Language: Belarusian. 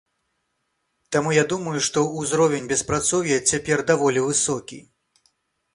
Таму, я думаю, што ўзровень беспрацоўя цяпер даволі высокі.